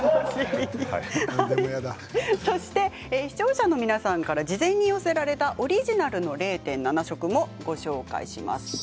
視聴者の皆さんから事前に寄せられたオリジナルの０．７食をご紹介します。